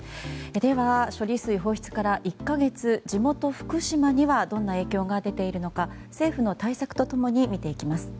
では、処理水放出から１か月地元・福島にはどんな影響が出ているのか政府の対策と共に見ていきます。